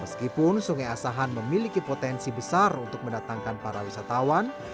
meskipun sungai asahan memiliki potensi besar untuk mendatangkan para wisatawan